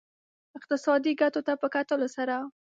اقتصادي ګټو ته په کتلو سره.